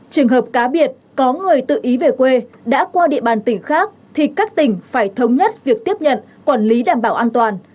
trường hợp cá biệt có người tự ý về quê đã qua địa bàn tỉnh khác thì các tỉnh phải thống nhất việc tiếp nhận quản lý đảm bảo an toàn